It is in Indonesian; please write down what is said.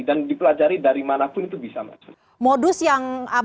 dan dipelajari dari mana pun itu bisa masuk